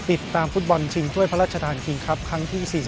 ติดตามฟุตบอลชิงถ้วยพระราชทานคิงครับครั้งที่๔๐